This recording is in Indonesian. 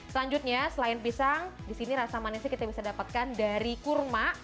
selanjutnya selain pisang disini rasa manisnya kita bisa dapatkan dari kurma